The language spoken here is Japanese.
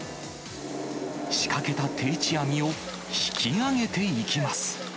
仕掛けた定置網を引き上げていきます。